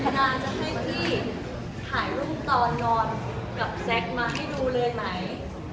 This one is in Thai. ดาจะให้พี่ถ่ายรูปตอนนอนกับแซคมาให้ดูเลยไหม